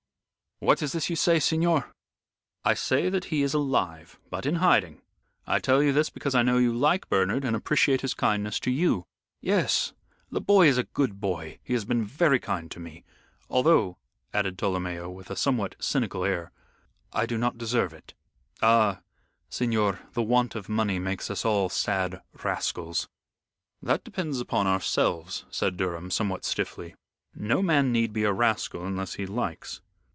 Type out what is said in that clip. "What is this you say, signor?" "I say that he is alive, but in hiding. I tell you this because I know you like Bernard and appreciate his kindness to you." "Yes! The boy is a good boy. He has been very kind to me. Although," added Tolomeo, with a somewhat cynical air, "I do not deserve it. Ah, signor, the want of money makes us all sad rascals." "That depends upon ourselves," said Durham, somewhat stiffly. "No man need be a rascal unless he likes."